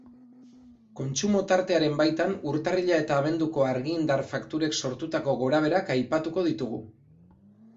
Kontsumo tartearen baitan urtarrila eta abenduko argi indar fakturek sortutako gora-beherak aipatuko ditugu.